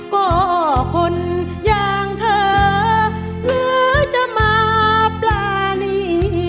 ก็คนอย่างเธอหรือจะมาปรานี